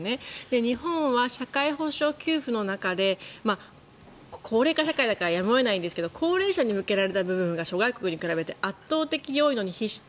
日本は社会保障給付の中で高齢化社会だからやむを得ないんですが高齢者に向けた部分が諸外国に比べて圧倒的に多いのに比して